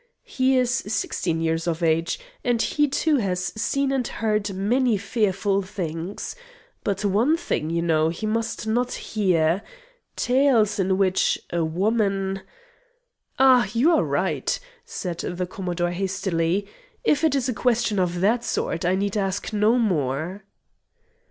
"He is sixteen years of age, and he too has seen and heard many fearful things. But one thing, you know, he must not hear tales in which a woman " "Ah! you are right," said the Commodore hastily. "If it is a question of that sort I need ask no more."